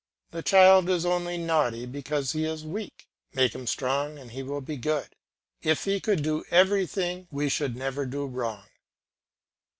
The child is only naughty because he is weak; make him strong and he will be good; if we could do everything we should never do wrong.